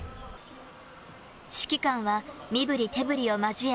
指揮官は身ぶり手ぶりをまじえ